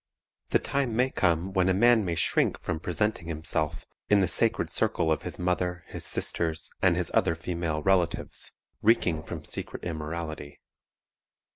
The time may come when a man may shrink from presenting himself in the sacred circle of his mother, his sisters, and his other female relatives, reeking from secret immorality.